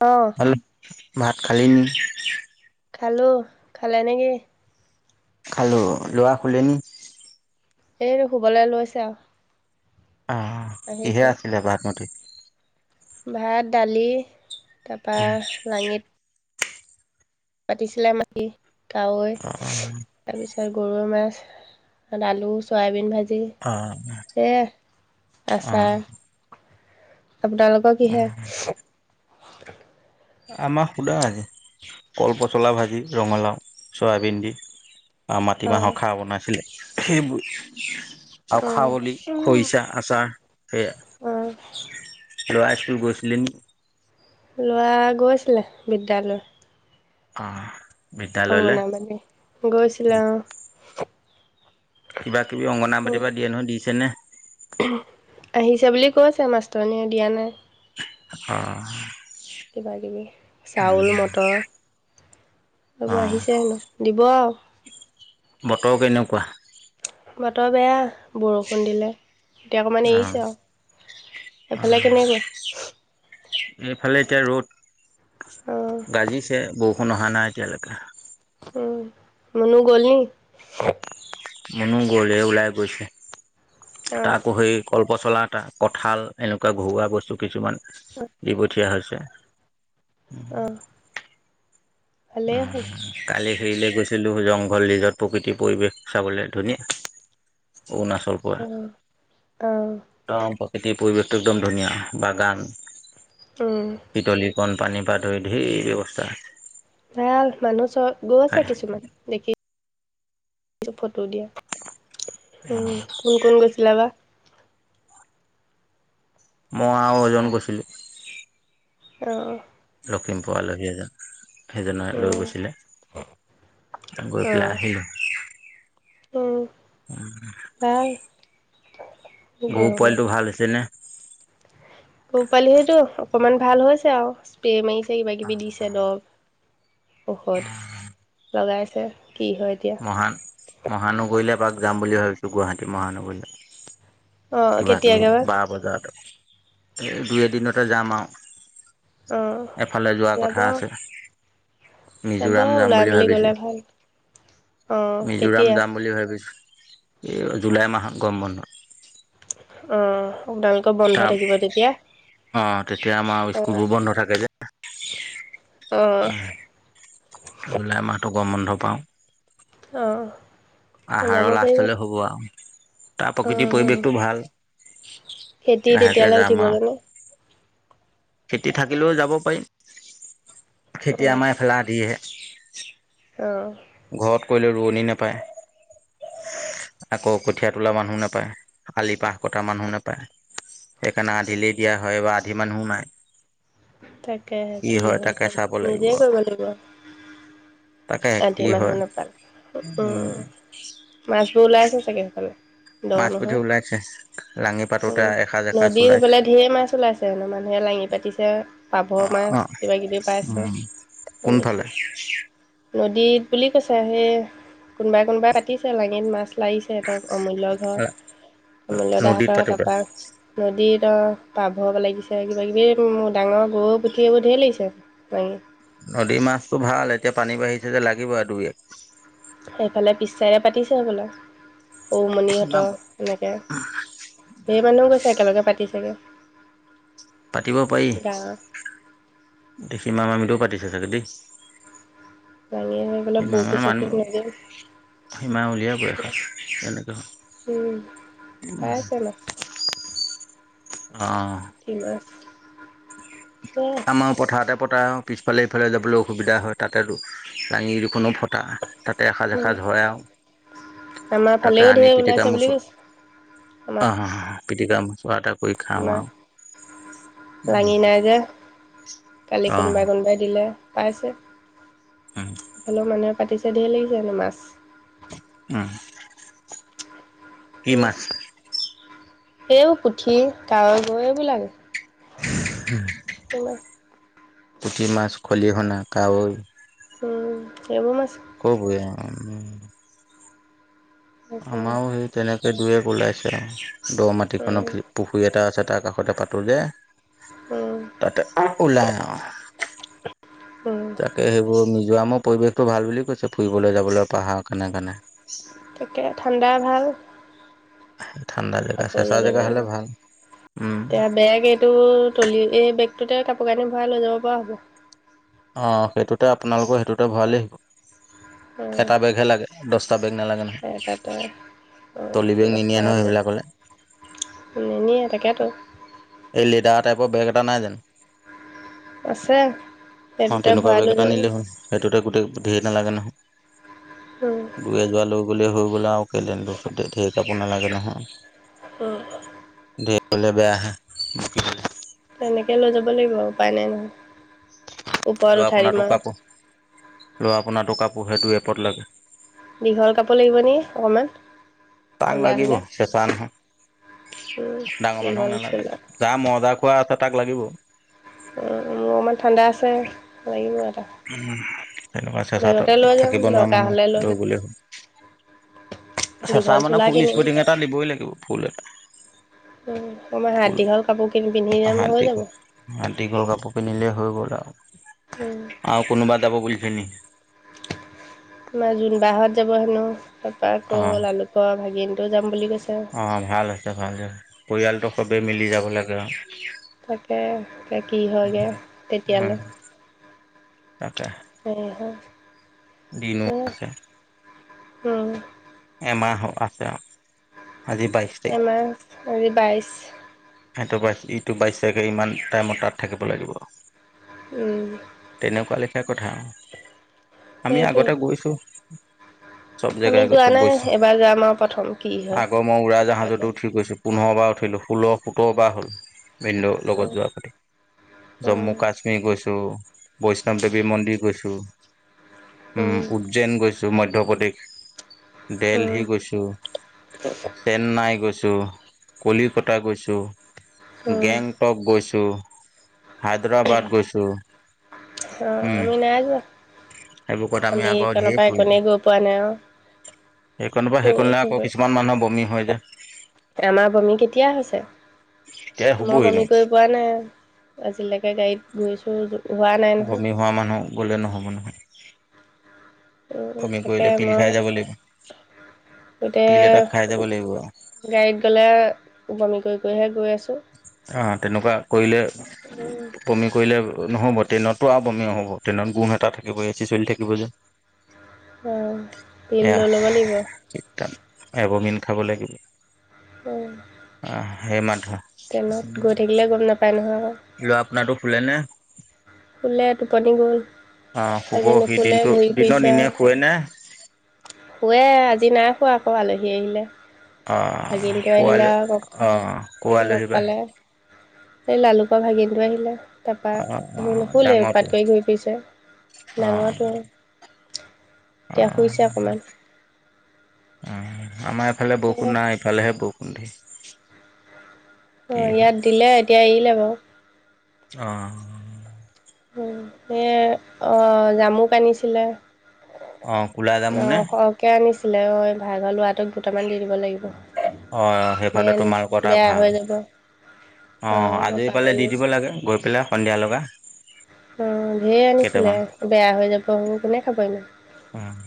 অ'। ভাত খালি নি? খালোঁ। খালে নেকি? খালোঁ, ল'ৰা শুলে নি? এইটো শুবলৈ লৈছে আৰু। অ', কিহেৰে আহিছে। আছিলে ভাতমুঠি? ভাত দালি তাৰপা লাঙিত পাতিছিলে, মাটি কাৱৈ অ', তাৰপিছত গৰৈ মাছ, আলু চয়াবিন ভাজি অ', এ অ', আচাৰ আপোনালোকৰ কিহে? অ', আমাৰ সুদা আজি, কলপচলা ভাজি ৰঙালাও চয়াবিন দি। আৰু মাটিমাহৰ অ', খাৰ বনাইছিলে সেইবোৰে। আৰু অ', খাৱলি খইছা আচাৰ অ', সেয়াই। ল'ৰা স্কুল গৈছিলে নি? ল'ৰা গৈছিলে বিদ্যালয়। অ'। বিদ্যালয়লে? অংগনাবাদী গৈছিলে অ'। কিবা কিবি অংগনাবাদী পা দিয়ে নহয় দিছে নে? আহিছে বুলি কৈছে মাষ্টৰনীয়ে দিয়া নাই। অ'। কিবাকিবি চাউল মটৰ এইবোৰ অ', আহিছে হেনো দিব আৰু। বতৰ কেনেকুৱা? বতৰ বেয়া বৰষুণ দিলে। এতিয়া অকমান অ', এৰিছে আৰু সেইফালে কেনেকুৱা? সেইফালে এতিয়া ৰ'দ অঁ গাজিছে বৰষুণ অহা নাই এতিয়ালৈকে। মুনু গ'ল নি? মুনু গ'লে ওলাই গৈছে, অঁ তাকো সি কলপচলা এটা কঁঠাল এনেকুৱা ঘৰুৱা বস্তু কিছুমান দি পঠিওয়া হৈছে। অ'। ভালেই হ'ল। উম, কালি হেৰিলে গৈছিলো জংঘল ৰিজৰ্ট প্ৰকৃতিৰ পৰিৱেশ চাবলৈ ধুনীয়া। অৰুণাচল পৰা অ', অ'। একদম প্ৰকৃতিৰ পৰিৱেশটো একদম ধুনীয়া বাগান, পিতলীকণ পানী পৰা ধৰি ঢেৰ ব্যৱস্থা ভাল মানুহ চব গৈ আছে হয় কিছুমান দেখিছোঁ ফটো দিয়া। উম অ', কোন কোন গৈছিলে বা মই আৰু এজন গৈছিলোঁ। অ'। লখিমপুৰ আলহী এজন সেইজনে লৈ অঁ গৈছিলে গৈ পেলাই আহিলে। উম ভাল। গৰু গৰমত পোৱালিটো ভাল হৈছেনে? গৰু পোৱালিসেইটো অকমান ভাল হৈছে আৰু স্প্ৰে মাৰিছে কিবা কিবি দিছে দৰৱ। ঔষধ লগাইছে কি হয় এতিয়া মহান মহানগৰীলৈ এপাক যাম বুলি ভাবিছোঁ গুৱাহাটী মহানগৰীলৈ। অঁ কিবা কিবি কেতিয়াকে বা বাৰ বজাত এই দুই এদিনতে যাম আৰু। অঁ এফালে যোৱা যাব কথা আছে যাব মিজোৰাম যাম ওলাই বুলি মেলি গ'লে ভাবিছো ভাল অ মিজোৰাম কেতিয়া যাম বুলি ভাবিছোঁ এই জুলাই মাহত গৰম বন্ধত অ বেংকৰ বন্ধ তাৰ থাকিব তেতিয়া। অঁ তেতিয়া আমাৰ স্কুলবোৰ বন্ধ থাকে যে অ জুলাই মাহটো গৰম বন্ধ পাওঁ অহ আহাৰৰ লাষ্টলে হ'ব আও। তাৰ অ অ প্ৰকৃতিৰ পৰিৱেশটো ভাল। খেতি লাহেকে তেতিয়ালে যাম আৰু উঠিবগেনে? খেতি থাকিলেও যাব পাৰিম অ খেতি আমাৰ এইফালে আধি হে অঁ ঘৰত কৰিলে ৰোৱনি নাপায়। আকৌ কঠীয়া তোলা মানুহ নাপায়। আলি পাৰ কটা মানুহ নাপায়। সেইকাৰণে আধিলেই দিয়া হয় এইবাৰ আধি মানুহো নাই তাকে, কি হয়? তাকে চাব লাগিব নিজেই কৰিব লাগিব। তাকে। আধি কি মানুহ হয় নাপায়। উম, মাছবোৰ ওলাই গ'ল চাগে সেইফালে। দ মাছ পুঠি নহয়। ওলাইছে লাঙি পাতোতে উম, এসাঁজ এসাঁজ নদীৰ ওলাইছে সেইফালে ধেই মাছ ওলাইছে। ধেৰ মানুহে লাঙি পাতিছে। পাভ অ মাছ অ কিবা- কিবি পাইছে। উম কোনফালে শুনিছোঁ। নদীত বুলি কৈছে সেই কোনবাই কোনোবাই পাতিছে। লাঙিত মাছ লাগিছে। সিহঁতৰ অমূল্য ঘৰৰ। অমূল্য নদীত দাহঁতৰ, পাতোতে তাৰপা নদীত অ পাভ লাগিছে কিবা কিবি এ ডাঙৰ গৰৈ পুঠি এইবোৰ ঢেৰ লাগিছে মাৰি নদীৰ মাছতো ভাল। এতিয়া পানী বাঢ়িছে যে লাগিব আৰু দুই এক। সেইফালে পিছে পাতিছে হ'বলা? ঔমণিহঁতৰ এনেকে ঢেৰ মানুহ গৈছে। একেলগে পাতিচে গে। পাতিব পাৰি গাঁৱৰ দেখিমা অমিতও পাতিছে চাগে দেই লাঙি আনি পেলাই সীমা মামি বৰষী-চৰষী মানুহ আনি নিদিয়ে। সীমা উলীয়াই বয়স আৰু এনেকে হয়। পাই আছে মাছ। অহ কি মাছ? সেয়াই আমাৰ পথাৰতে পোটা পিছফালে ইফালে যাবলৈ অসুবিধা হয় তাতে লাঙি দুখনো ফটা তাকে এসাঁজ এসাঁজ হয় আও। আমাৰ তাকে ফালেও আনি ঢেৰ ওলাইছে পিটিকা বুলি মুচু কৈছে আঁ-হাঁ- পিটিকা মোচোৱা টাইপ না লাঙি নাই যে কালি অহ কোনোবাই কোনোবাই দিলে পাইছে উম হ'লেও মানে পাতিছে ঢেৰ লাগিছে হেনো মাছ উম কি উম, মাছ? এইবোৰ পুঠি, কাৱৈ, গৰৈ এইবোৰ লাগে। উম কি মান? পুঠি মাছ খলিহনা কাৱৈ উম, এইবোৰ মাছ [unintelligible] উম। তাকে আমাৰো সেই তেনেকে দুই এক ওলাইছে আৰু দহ মাটি উম কণৰ পুখুৰী এটা আছে তাৰ কাষতে পাতোঁ যে উম তাতে ওলাই আৰু। উম তাকে সেইবোৰ মিজোৰামৰ পৰিৱেশটো ভাল বুলি কৈছে ফুৰিবলৈ যাবলৈ পাহাৰ কাৰণে কাৰণে। তাকে ঠাণ্ডা ভাল। ঠাণ্ডা জেগা কাপোৰ চেঁচা লৈ যাব জেগা হ'লে ভাল লাগিব, উম এয়া বেগ এইটো ত্ৰলি এই বেগটোতে কাপোৰ কানি ভৰাই লৈ যাব পৰা হ'ব। অহ, সেইটোতে আপোনালোকৰ সেইটোতে ভৰালে হ'ব। উম এটা বেগহে লাগে। দহটা বেগ নালাগে ন এটাতে উম, নিনিয়ে দহটা নহয় আমি সেইবিলাকলে নিনিয়ে তাকেতো। এই লেডাৰৰ টাইপৰ বেগ এটা নাই জানোঁ। আছে অহ, সেইটোতে তেনেকুৱা ভৰাই বেগ লৈ এটা যাব নিলে হ'ল, সেইটোতে গোটেই ঢেৰ নালাগে নহয়। উম। দুই এজোৰা লৈ গ'লে হৈ গ'ল আৰু। কেইদিনৰ বস্তুতে ঢেৰ কাপোৰ নালাগে নহয়, উম ঢেৰ হ'লে বেয়াহে। [unintelligible] তেনেকে লৈ যাব লাগিব আৰু উপায় নাই নহয়, ওপৰত উঠাই দিম আৰু। আৰু আপোনাৰ টকা পইচা দুই এপত লাগে দীঘল কাপোৰ লাগিব নি অকমান। তাক লাগিব চেঁচা নহয়, ডাঙৰ মানুহক দীঘল নালাগে। চোলা যাৰ মজা খোৱা আছে, তাক লাগিব। মোৰ অকণমান ঠাণ্ডা আছে, লাগিব এটা। তেনেকুৱা চেচাটো বেগতে লৈ যাম থাকিব নোৱাৰা দৰকাৰ হ'লে মানুহ ল'ম লৈ গ'লে হ'ল। চেঁচা দীঘল মানে চোলা ফুল কিনিম স্পটিং এটা দিবই লাগিব ফুল এটা। উম, অকমান হাত ফুল দীঘল কাপোৰ কিনি পিন্ধি যাম হৈ যাব। হাত দীঘল কাপোৰ পিন্ধিলে হৈ গ'ল আৰু। উম। আৰু কোনোবা যাব বুলিছে নেকি। আমাৰ জোনবাহঁত যাব হেনো, তাৰপৰা আকৌ অ'। লালুকৰ ভাগিনটো যাম বুলি কৈছে। অহ, ভাল হৈছে ভালে, পৰিয়ালটো সবেই মিলি যাব লাগে আৰু। তাকে, এতিয়া কি হয়গে উম তেতিয়ালৈ। তাকে। [unintelligible] কিনো এমাহ হ' আছে আৰু। আজি বাইশ তাৰিখ এমাহ, আজি বাইশ। এইটো বাইশ, ইটো বাইশ তাৰিখে ইমান টাইমত তাত থাকিব লাগিব। উম। তেনেকুৱা লেখীয়া কথা আৰু। আমি সেইটোৱে আগতে গৈছো, চব জেগা আমি যোৱা চব নাই গৈছো, এবাৰ যাম আৰু প্ৰথম কি হয় আগৰ মই উৰা তাকে জাহাজতো উঠি গৈছোঁ। পোন্ধৰবাৰ উঠিলোঁ, ষোল্ল সোতৰবাৰ হ'ল ভিনদেউ লগত উম যোৱাৰ উঠি। জম্মু উম কাশ্মীৰ গৈছোঁ, বৈষ্ণৱ দেৱী মন্দিৰ গৈছোঁ। উম, উজ্জৈন গৈছোঁ মধ্য প্ৰদেশ, উম দেলহি গৈছোঁ। চেন্নাই গৈছোঁ, কলিকতা গৈছোঁ। উম গেংটক গৈছোঁ, হায়দৰাবাদ গৈছোঁ। অ', উম, আমি নাই যোৱা, সেইবোৰ ক'ত আমি আগত এইকনৰ ধেৰ পৰা ফুৰিলো। একনে গৈ পোৱা নাই, অ'। সেইকনৰ পৰা সেইকনলে আকৌ কিছুমান মানুহৰ বমি হয় যে, [unintelligible] আমাৰ বমি কেতিয়া হৈছে? [unintelligible] তে হবই ন? হোৱা নাই, আজিলৈকে গাড়ীত ঘূৰিছোঁ, হোৱা নাই নহয়। বমি হোৱা মানুহ গ'লে নহ'ব নহয়। উম, বমি তাকে কৰিলে পিল মই খাই যাব লাগিব। গোটেই পিল এটা খাই যাব লাগিব আৰু। গাড়ীত গ'লে, বমি কৰি কৰিহে গৈ আছো। অ', তেনেকুৱা কৰিলে, বমি কৰিলে নহ'ব ট্ৰেইনত পোৰা বমি হ'ব, ট্ৰেইনত গোন্ধ এটা থাকিব, এচি চলি থাকিব যে। অঁ পিল এয়া, লৈ ল'ব লাগিব এভমিন খাব লাগিল। অঁ। আ, সেই মাথা। ট্ৰেইনত গৈ থাকিলে গম নাপায় নহয়। [unintelligible] আপোনাৰ টো শুলে নে? শুলে টোপনি গ'ল [inaudible] অ, শুব আজি সি নুশুলে দিনটো, ঘূৰি দিনত ফুৰিছে ইনে আৰু শুৱে নে? শুৱে, আজি নাই শুৱা আকৌ আলহী আহিলে। আহ ভাগিনটো কোৱাল আহিলে অ কোৱা আৰু আলহী লগ বা পালে। সেই লালুকৰ ভাগিনটো আহিলে। তাৰপা অ অ সি নুশুলে, ডাঙৰটো উৎপাত কৰি ঘূৰি ফুৰিছে অ ডাঙৰটো। এতিয়া অ', শুইছে অকণমান আমাৰ এইফালে এ বৰষুণ নাই। হ'লেহে বৰষুণ দি কি অ', হয় ইয়াত দিলে এতিয়া এৰিলে বাৰু। অ,। [unintelligible] অ', জামুক আনিছিলে। অ কোলা জামুনে [unintelligible] ক'ক। কে আনিছিলে ঐ, ভাগঘৰ লৰাটোক দুটামান দি দিব লাগিব। অ', ধেৰ সেইফালে আনিছে তোমালোকৰ এটা বেয়া হৈ ভাল। যাব অঁ অ', মই আজি পালে পাহৰি দি আছোঁ দিব লাগে গৈ, পেলাই সন্ধিয়া লগে। অ', ঢেৰ আনিছিলে, বেয়া হৈ যাব, কোনে খাবই ন। উম'।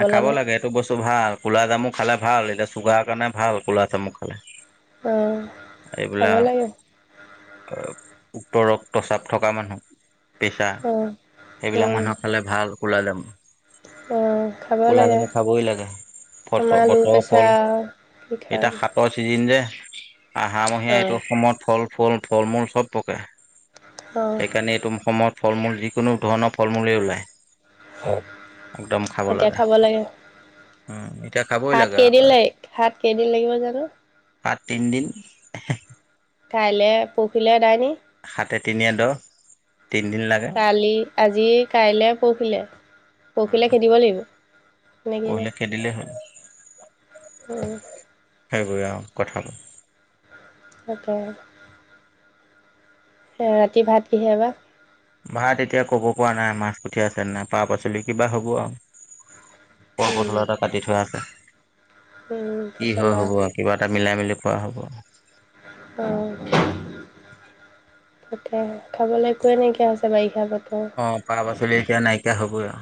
আ', খাব লাগে, এইটো বস্তু ভাল, কু'লা জামু খালে ভাল, এতিয়া চুগাৰৰ কাৰণে ভাল কু'লা জামু খালে। অঁ খাব এইবিলাক লাগে [unintelligible] উপ ৰক্তচাপ থকা মানুহ পেচা অঁ এইবিলাক মানুহ খালে ভাল কু'লা জাম। অঁ। খাব ক'লা লাগে জামু খাবই লাগে। আমাৰ ল' ফত-তৰ ফল, প্ৰেছাৰ কি এতিয়া খাম সাতৰ ছিজিন যে আহাৰ মহীয়া অঁ এইটো সময়ত ফল, ফুল, ফল-মূল চব পকে। অঁ সেইকাৰণে এইটো সময়ত ফল-মূল যিকোনো ধৰণৰ ফল-মূলেই ওলায়। একদম খাব লাগে। উম, এতিয়া খাবই ভাত লাগে কেইদিন লাগ ভাত কেইদিন লাগিব জানো সাত তিনদিন। কাইলে পৰখিলে আদায় নি। সাতে তিনিয়ে দহ। তিনদিন লাগে। কালি আজি কাইলৈ পৰখিলে পৰখিলে খেদিব লাগিব। এনেকেই পঢৰে খেদিলেই। অঁ। সেইবোৰে আৰু কথাাবোৰ। তাকে। ৰাতি ভাত কিহে বা? ভাত এতিয়া ক'ব পৰা নাই মাছ পুঠিয় আছে। ন নাই পাক পাচলি কিবা হ'ব আৰু। উম, কলপচলা এটা কাটি থোৱা আছে। উম, কি হয় পচলা হব আৰু। কিবা এটা মিলাই মেলি কোৱা হ'ব। অ,। তাতে খাবলৈ একোৱে নাইকিয়া আ হৈছে বাৰিষা ব। অ, পাক পাচলি এতিয়া নাইকিয়া হবই আৰু।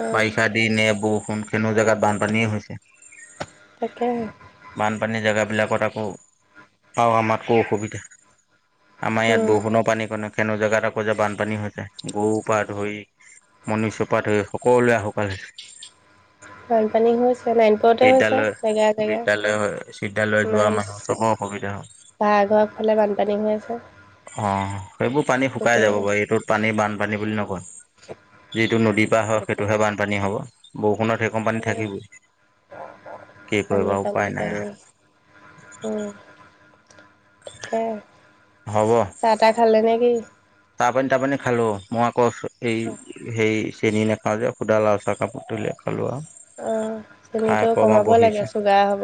অ', বাৰিষা দিনে বৰষুণ সেনো জোগাত বানপানীয়ে হৈছে। তাকে। বানপানীৰ জেগাবিলাকত আকৌ আমাতকো অসুবিধা। আমাৰ ইয়াত উম, বৰষুণো পানী কনেক। কেনে জেগাত আকৌ যে বানপানী হৈ যায় গৰু পা ধৰি মনুষ্য পা ধৰি। সকলোৱে আহক আজি। বানপানী হৈছে নাই। বিদ্যালয় বিদ্যালয় বিদ্যালয় যোৱা মানুহৰ চবৰ অসুবিধা হয়। বাঘৰ ফালে বানপানী হৈ আছে। অ, সেইবোৰ পানী শুকাই গোটেই যাব বাৰু এইটোত পানী বানপানী বুলি নকয়। যিটো নদীৰ পাহ হয় গোটেই সেইটোহে বানপানী হ'ব বৰষুণত সেই কম পানী উম, থাকেই। পানী পালী পী। নাই আৰু উম'। তাকে। চাহ তাহ খালে নে কি? তাৰ পানী তাৰপানী খালোঁ মই আকৌ এই সেই চেনি নাখাওঁ যে-। খুডালাও চা কাপুটোল কালোৱা। অঁ চেনিটো কমাব লাগে চুগাৰ হ'ব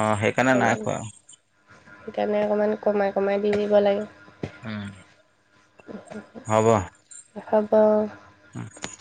অ সেইকাৰণে নাই খোৱা সেইকাৰণে অকণমান কমাই কমাই দি দিব লাগে। উম হ'ব। হ'ব। [inaudible]